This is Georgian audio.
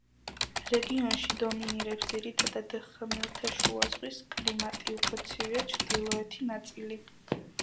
რეგიონში დომინირებს ძირითადად ხმელთაშუაზღვის კლიმატი, უფრო ცივია ჩრდილოეთი ნაწილი.